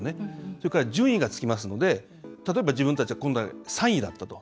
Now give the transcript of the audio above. それから順位がつきますので例えば自分たちは３位だったと。